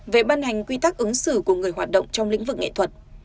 về ban hành quy tắc ứng xử của người hoạt động trong lĩnh vực nghệ thuật